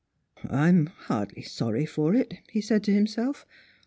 " I am hardly sorry for it," he said to himslef.